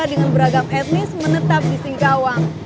di mana ada pemerintah yang memiliki kekuatan kekuatan dan kekuatan